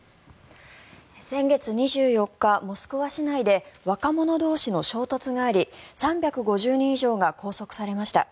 先月２４日モスクワ市内で若者同士の衝突があり３５０人以上が拘束されました。